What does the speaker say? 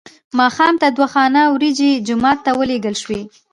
ماښام ته دوه خانکه وریجې جومات ته ولېږل شوې.